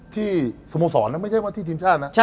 ที่สโมสรไม่ใช่ว่าที่ทีมชาตินะ